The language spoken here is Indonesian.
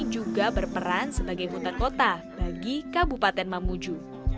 juga berperan sebagai hutan kota bagi kabupaten mamuju